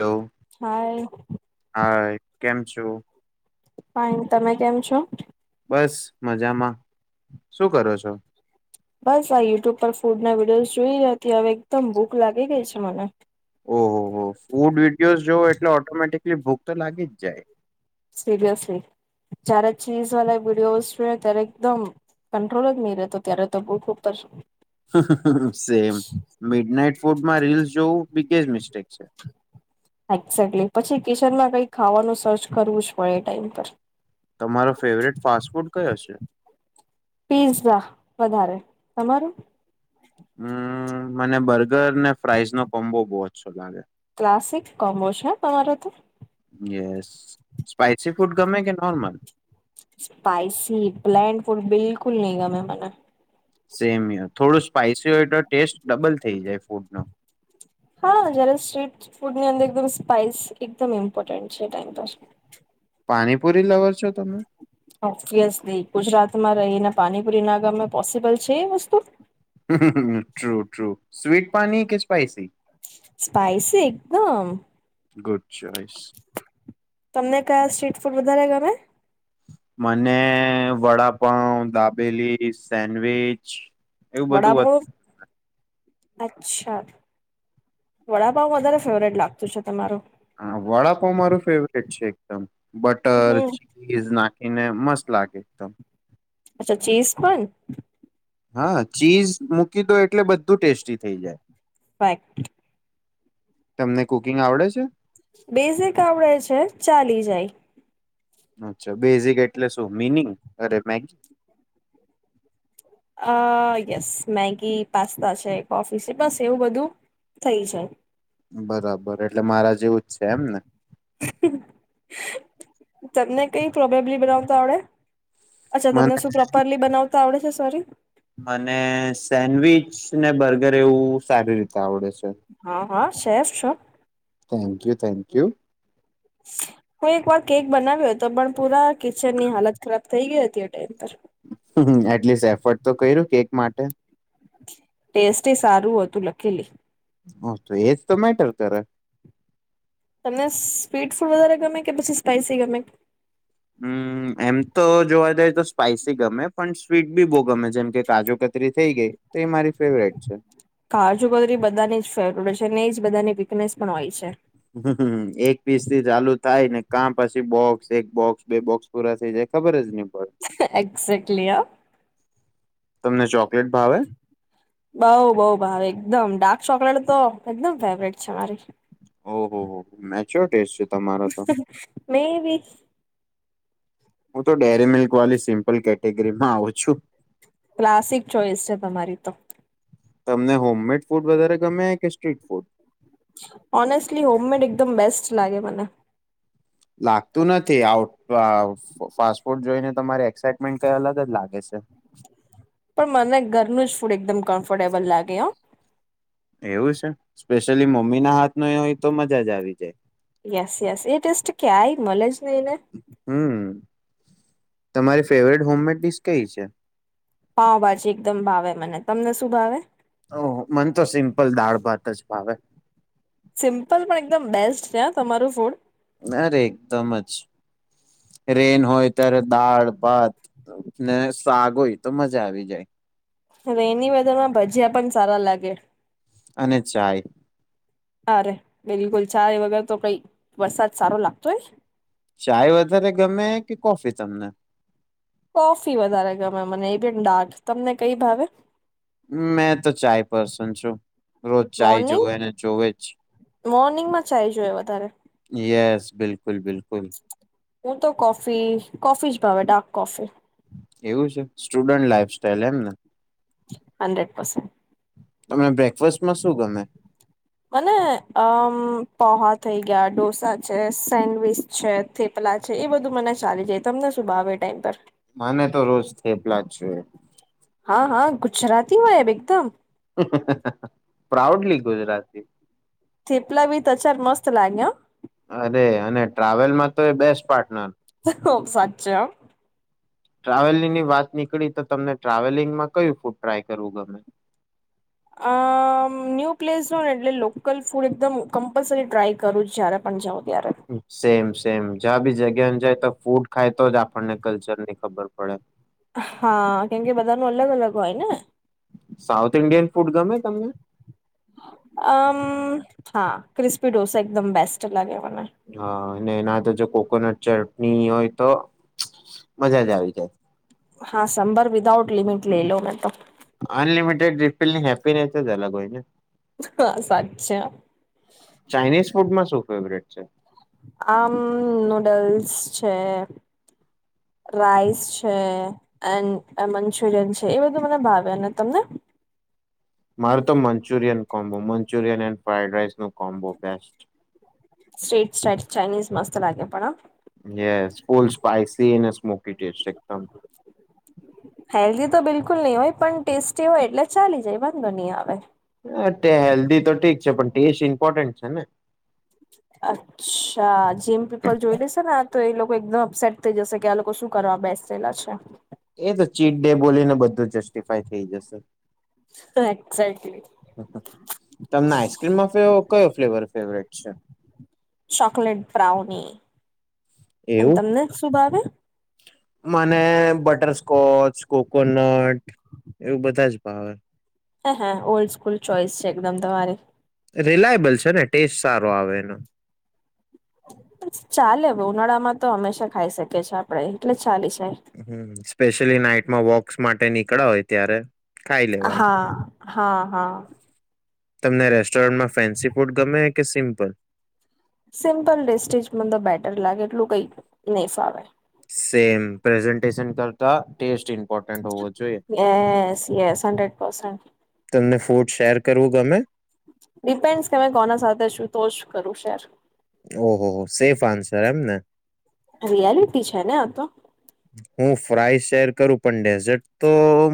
હ, હાય હા. કેમ, છું. ભ, તમે કેમ છો. બસ મજામાં શું કરો છો બસ આ યુટ્યુબ પર ફૂડના વિડીયોઝ જોઈ રહ્યા હતી હવે એકદમ ભૂખ લાગી ગઈ છે મને ઓહ હો હ ફૂડ વિડીયોઝ જો એટલે ઓટોમટિકલી ભૂક તો લાગી જાય સિરિયસલી જ્યારે ચીઝ વાળા વિડીયોઝ જો ત્યારે એકદમ કંટ્રોલ જ નહી રહેતો ત્યારે તો બૂખ ઉપર સેમ મિડ નાઈટ ફૂડમાં રીલસ જોવું બિગેસ્ટ મિસ્ટેક છે એક્ઝેક્ટલી પછી કિચનમાં કઈ ખાવાનું સર્ચ કરવું જ પડે એ ટાઈમ પર તમારો ફેવરેટ ફાસ્ટ ફૂડ કયો હશે પીઝા વધારે તમારું હમ્મ મને બર્ગર ને ફ્રાઈઝ નો કોમ્બો બહ ઓછો લાગે ક્લાસિક કોમ્બોઝ છે તમારો તો યસ સ્પાઈસી ફૂડ ગમે કે નોર્મલ સ્પાઈસી પ્લેન ફૂડ બિલકુલ ફૂડ ની ગમે મને સેમ હો થોડું સ્પાઈસી હોય તો ટેસ્ટ ડબલ થઈ જાય ફૂડ નો હા જય્યારે સ્ટ્રીટ ફૂડની અંદર એકદમ સ્પાઈસ એકદમ ઇમ્પોર્ટન્ટ છે ટાઈઇમ પર પાણીપુરી લવર છો તમે ઓવિયસલી ગુજરાતમાં એના પાણીપુરી ના ગમે પોસિબલ છે એ વસ્તુ ટ્રુ ટ્રુ સ્વીટ પાણી કે સ્પાઈસી સ્પાઈસી એકદમ ગુડ ચોઈસ તમને કયા સ્ટ્રીટ ફૂડ વધારેા ગમે મને વડાપાઉં દાબેલી સેન્ડવીચ એવું બધું વડાપાઉં અચ્છા વડાપાવ વધારે ફેવરેટ લાગતું છે તમારું હા વડાપાઉં મારું ફેવરેટ છે એકદમ બટર હમ ચીઝ નાખીને મસ્ત લાગે એકદમ અચ્છા ચીઝ પણ હા ચીઝ મૂકી દો એટલે બધું ટેસ્ટી થઈ જાય [unintelligible] તમને કુકિંગ આવડે છે બેઝિક આવડે છે ચાલી જાય અચ્છા બેઝિક એટલે શું મિનિંગ અરે મેગી અ યસ મેગી પાસ્તા છે કોફી છે બસ એવું બધું થઈ જાય બરાબર એટલે મારા જેવું જ છે એમ ને તમને કઈ [unintelligible] બનાવતા આવડે અચ્છા તમને મને શું પ્રોપરલી બનાવ ત આવડે છે સોરી. મને સેન્ડવીચ ને બર્ગર એવું સારી રીતે આવડે છે. હા હા શેફ. સ થેન્ક યુ થેન્ક યુ. હું એક વાર કેક બનાવ્યો હતો પણ પૂરા. કિચન ની હાલત ખરાબ. થૈ ગયો અત્યારે ટાઇમ પર. એટલીસ્ટ એફર્ટ તો કર્યું કેક માટે. ટેસ્ટ એ સારું હતું લકિલી. હ તો એજ તો મેટલ કરે. તમને સ્વીટ ફૂડ વધારે ગમે કે પછી સ્પાઈસી ગમે. હમ એમ તો જોવા જઈએ તો સ્પાઈસી ગમે પણ સ્વીટ બી બહુ ગમે છે. જેમ કે કાજુ કતરી થઇ ગઈ. તે મારી. ફેવરેટ છે કાજુ કાજુરી બધાની જ ફેવરેટ. અને ઇ જ બધાની વીકનેસ પણ હોય છે. હ એક પીસ થી ચાલુ થાય ને કા પછી બોક્સ એક બોક્સ બે બોક્સ પુરા થઇ જાય ખબર જ નઇ. એક્ઝેક્ટલી હ તમને ચો. બઉ બઉ ભાવે એકદમ ડા. ચોકલેટ તો એકદમ ફેવરેટ છે મારી. ઓ હો હો મેચ્યોર ટેસ્ટ છે. તમારો તો મેય બી. હું તો ડેરી મિલ્કવાલી સિમ્પલ કેટેગરીમાં આવું છું. ક્લાસિક ચોઈસ છે તમારી તો. તમને હોમમેડ ફૂડ વધારે ગમે કે સ્ટ્રીટ ફૂડ. ઓનેસ્ટલી હોમમેડ એકદમ બેસ્ટ લાગે મને. લાગતું નથી આઉટ અહ ફાસ્ટ ફૂડ જોઈને તમારી એક્સાઈટમેન્ટ કઈ અલગ જ લાગે છે. પણ મને ઘરનું જ ફૂડ એકદમ કમ્ફર્ટેબલ લાગે હ. એવું છે સ્પેશિયલી મમ્મી ના હાથની હોય તો મજા જ આવી જાય. મલેજ. [unintelligible] હમ તમારી ફેવરેટ હોમમેટ ડિશ કઈ છે? પાવ ભાજી એકદમ ભાવે મને, તમને શું ભાવે? ઓહો મન તો સિમ્પલ દાળ ભાત જ ભાવે. સિમ્પલ પણ એકદમ બેસ્ટ છે હ તમારું ફૂડ. અરે એકદમ જ રેન હોય ત્યારે દાળ, ભાત ને શાક હોય તો મજા આવી જાય. રેની વેધર માં ભજીયા પણ સારા લાગે. અને ચાય અરે બિલકુલ. જારે વગર તો કઈ વરસાદ સારો લાગતો હોયશ. ચાય વધારે ગમે કે કોફી તમને. કોફી વધારે ગમે મને એી ડાર્ક તમને કઈ ભાવે. મેં તો ચાય પર્સન છું રોજ ચાય મોર્નિંગ જોવેને જોવે જ મોર્નિંગમાં ચાય જોઈએ વધારે યસ. બિલક બિલકુલ બિલકુલ. હું તો કોફી કોફી જ ભાવે ડાર્ક કોફી. એવું છે સ્ટુડન્ટ લાઈફ સ્ટાઈલ એમ ને. Hundred percent. તમને બ્રેકફાસ્ટમાં શું ગમે. મને અમ પોહા થઈ ગયા ઢોસા છે સેન્ડવીચ છે થેપલા છે એ બધું મને ચાલી જાય તમને શું ભાવે એ ટાઈમ પર. મને તો રોજ થેપલા જ જોઈએ. હા હા ગુજરાતીમાંહેબ એકદમ. પ્રાઉડલી ગુજરાતી. થેપલા વીથ આચાર મસ્ત લાગે. અરે અને ટ્રાવેલમાં તો એ બેસ્ટ પાર્ટનર. ખુબ સાચું. ટ્રાવેલિંગ ની વાત નીકળી તો તમને ટ્રાવેલિંગમાં કયું ફૂડ ટ્રાય કરવું ગમે. અ ન્યૂ પ્લેસ જો ને એટલે લોકલ ફૂડ એકદમ કમ્પલસરી ટ્રાય કરું જય્યારે પણ જાાવ. સેમ સેમ જં ભી જગ્યા. ન જાય તો ફૂડ ખાય તો જ આપણને કલ્ચર ની ખબર પડે. હા કેમકે બધા ન અલગ અલગ હોય ને. સાઉથ ઇન્ડિયન ફૂડ ગમે તમને. અમ હા ક્રિસ્પી ઢોસા એકદમ બેસ્ટ લાગે. મને [inaudible] અને ના તો જો કોકોનટ ચટણી હોય તો મજા જ આવી જાય. હા સંંભર વિધાઉટ લિમિટ લઈ લો મે તો. અનલિમિટેડ રીફીલ ની હેપીનેસ જ અલગ હોય ને બસ અચ્છા. ચાઇનીઝ ફૂડમાં શું ફેવરેટ છે. આમ નૂડલ્સ છે રાઈસ છે એન્ મંચુરિયન છે એ બધું મને ભાવે ને તમને. મારે તો Manchurian combo Manchurian and fried રાઇસનો કોમ્બો બેસ્ટ. સ્ટ્રીટ સ્ટાઈટ ચાઇનીઝ મસ્ત લાગે પણ હ. સ્ ફૂલ સ્પાઈસીને સ્મોક. [unintelligible] હેલ્ધી તો બિલકુલ નહી હોય પણ ટેસ્ટી હોય એટલે ચાલી જાય વાંધો નહીં આવે. અ હેલ્ધી તો ઠીક છે પણ ટેસ્ટ ઇમ્પોર્ટન્ટ છે ને. અચ્છા જીમ પીપલ જોઈ દેશે ને આ તો એ લોકો એકદમ અપસેટ થઈ જશે કે આ લોકો શું કરવા બેસેલા છે. એ તો ચીટ ડે બોલીને બધું. બધું જસ્ટિફાય થઈ જશે. એક્ઝેક્ટલી તમને આઈસ્ક્રીમમાં કયો ફ્લેવર ફેવરેટ છે. ચોકલેટ બ્રાઉની અને એવું તમને શું ભાવે. મને બટરસ્કોચ કોકોનટ એવું બધા જ ભાવે. હા, હા, ઓલ્ડ સ્કૂલ ચોઇસ છે એકદમ તમારી. રિલાયબલ છે ને ટેસ્ટ સારો આવે એનો. ચાલે બહુ ઉનાળામાં તો હંમેશા ખાઈ શકીએ છીએ આપડે એટલે ચાલી જાય હમ્મ, સ્પેશલી નાઈટમાં વોક માટે નીકળ્યા હોય ત્યારે ખાઈ હા, લેવાય. હા, હા, હા. તમને રેસ્ટોરન્ટમાં ફેન્સી ફૂડ ગમે કે સિમ્પલ? સિમ્પલ ડેસ્ટેજ મન તો બેટર લાગે એટલું કઈ નહી ફાવે. સેમ પ્રેઝન્ટેશન કર તા ટેસ્ટ ઇમ્પોર્ટન્ટ હોવો જોઈએ યેસ, યેસ, હંડ્રેડ પર્સન. તમને ફૂડ શેર કરવું ગમે? ડિપેન્ડસ કે મેં કોના સાથે છું, તો જ કરું શેર. ઓ-હો-હો, સેફ આન્સર એમ ને. રિયાલિટી છે ને આ તો હું ફ્રાય શેયર કરું પણ ડેઝટ તો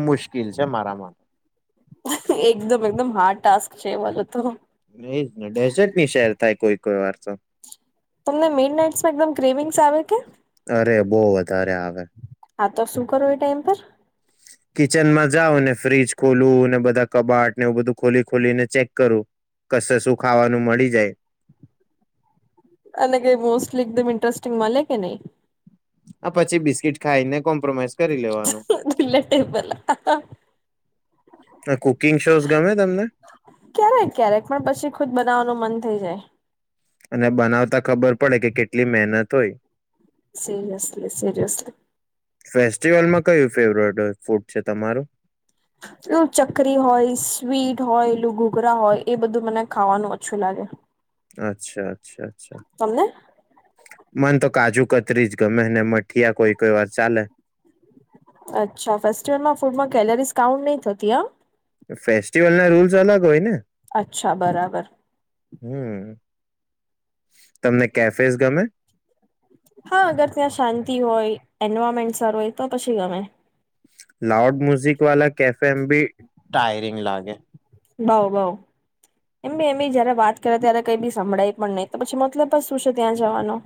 મુશ્કિલ છે મારામાં. એકદમ-એકદમ હાર્ડ ટાસ્ક છે એ વાલો તો. એ જ ને ડેઝર્ટ નહીં શેયર થાય કોઈ-કોઈ વાર તો. તમને મિડ નાઈટસ માં એકદમ ક્રેવિંગસ આવે કે? અરે બહુ વધારે આવે આવ તો શું કરો એ ટાઈમ પર? કિચનમાં જાવ અને ફ્ર્રીજ ખોલું અને બધા કબાટને એવું બધું ખોલી-ખોલીને ચેક કરું, કશે શું ખાવાનું મળી જાય. અને કંઈ મોસ્ટલી એકદમ ઇન્ટ્રસ્ટિંગ મલે કે નહી? આ પછી બિસ્કીટ ખાઈ ને કોમ્પ્રોમાઈઝ કરી લેવાનું [unintelligible] કુકિંગ શોઝ ગમે તમને ક્યારેક ક્યારેક પણ પછી ખુદ બનાવવાનું મન થઈ જાય. અને તોય સીરયસલી-સીરયસલી. ફેસ્ટિવલમાં કયું ફેવરેટ હોય ફૂડ છે તમારું? પેલું ચકરી હોય, સ્વીટ હોય, લું ઘુઘરા હોય એ બધું મને ખાવાનું અચ્છું લાગે. અચ્છા. અચ્છા-અચ્છા. તમને મને તો કાજુ-કતરી જ ગમે ને મઠીયા કોઈ-કોઈ વાર ચાલે. અચ્છા, ફેસ્ટિવલમાં ફૂડમાં કેલરીઝ કાઉન્ટ નહી થતી હા. ફેસ્ટિવલ ના રૂલ્સ અલગ હોય ને. અચ્છા, બરાબર. હમ તમને કેફેઝ ગમે? હા અગર ત્યાં શાંતિ હોય એન્વાયરમેન્ટ સારું હોય તો પછી ગમે. લાઉડ મ્યુઝિક વાા કેફે એમ બી ટાયરિંગ લાગે. બઉ બઉ, એમ બી એમ બી જયારે વાત કરે ત્યારે કઈ બી સંભળાય પણ નહી તો પછી મતલબ બ શું છે ત્યાં જવાનો.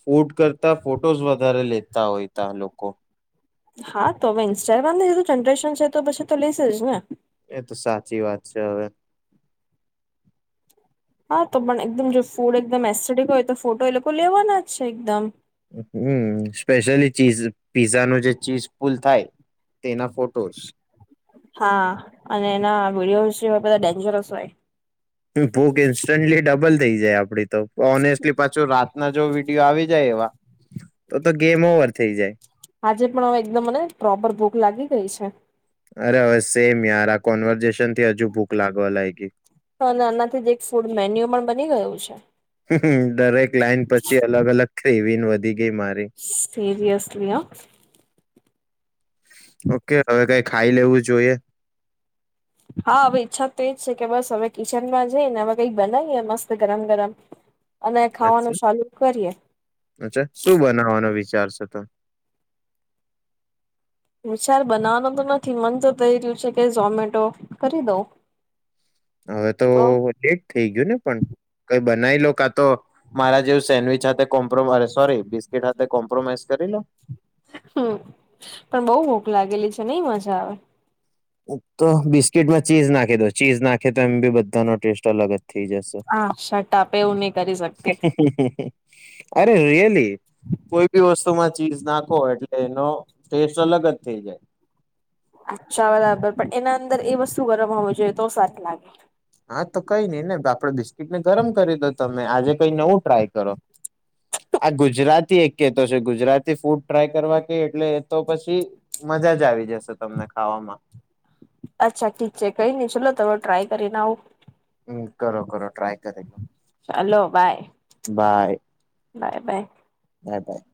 ફૂડ કરતા ફોટોઝ વધારે લેતા હોયતા લોકો. હા તો હવે ઇન્સ્ટાગ્રામીધું જનરેશન છે તો પછી તો લઈશે જ ને. એ તો સાચી વાત છે હવે. હા તો પણ એકદમ જો ફૂડ એકદમ એસથેટિક હોય તો ફોટો એ લોકો લેવાના જ છે એકદમ. હમ સ્પેશયલી ચીઝ પીઝા ન જે ચીઝ ફુલ થાય તેના ફોટોસ. હા અને એના વિડીયો [unintelligible] બધા ડેન્જરસ હોય ભૂખ ઇન્સ્ટન્ટલી ડબલ થઈ જાય આપડી. તો ઓનેસ્ટલી પાછું રાતના જો વિડીયો આવી જાય એવા તો તો ગેમ ઓવર થઇ જાય. આજે પણ હવે એકદમ મને પ્રોપર ભૂખ લાગી ગઈ છે. અરે હવે સેમ યાર આ કોન્વર્ઝેશન થી હજુ ભૂખ લાગવા લાયગી. અને આનાથી જ એક ફૂડ મેન્યુ પણ બની ગયું છે હ હ દરેક લાઈન પછી અલગ અલગ ક્રેવીંગ વધી ગ સીરયસલી હં ઓ કે હવે કંઈક ખાઈ લેવું જોએ હા અવે ઈચ્છા તો એજ છે કે બસ હવે કિચનમાં જઈને હવે કઈ બનાવીએ મસ્ત ગરમ ગરમ અને ખાવાનું અચ્છા ચાલુ કરીએ અચ્છા શું બનાવાનો વિ ચાર છે તો? ચાર બનાવાનું તો નથી મન તો થઈ રહ્યું છે કે ઝોમેટો કરી દઉં અવે તો લેટ થઈ ગયું ને પન ક બનાય લો કાં તો મારા જેવું સેન્ડવીચ હાતે કોમપરો સૌરી બસ્કીટ હાત તે કોમ્પ્રોમાઈઝ કરી લો હમ્મ પણ બોહ ભૂખ લાગેલી છે નઈ મજા આવે તો બિસ્કીિટમાં ચીઝ નાખી દો ચીઝ નાખે તો એમ બી બધાનો ટેસ્ટ અલગ જ થઈ જશે. હા શટઆપ એવું નહી કરી શકતી અરે રીયલી કોઈ બી વસ્ વસ્તુમાં ચીઝ નાખો એટલે એનો ટેસ્ટ અલગ જ થઈ જાય અચ્છા બરાબર પણ એના અંદર એ વસ્તુ ગરમ હોવું જોઈએ તો [unintelligible] લાગે હા તો કઈ નઈ ને આપડે બી સ્કિટ ને ગરમ કરી દો તમે ને આજે કઈ નવું ટ્રાય કરો આ ગુજરાતી એક કે તો છે ગુજરાતી ફૂડ ટ્રાય કરવા કે એટલે એ તો પછી મજા જ આવી જશે તમને ખાવામાં અચ્છા ઠીક છે કઈ નઈ ચોલો તો ટ્રાય કરીને આવું હમ્મ કરો કરો ટ્રાય કરે ચાલો bye bye. Bye bye. Bye by.